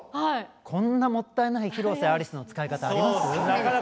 こんなもったいない広瀬アリスの使い方あります？